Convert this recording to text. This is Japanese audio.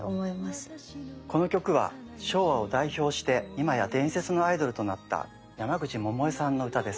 この曲は昭和を代表して今や伝説のアイドルとなった山口百恵さんの歌です。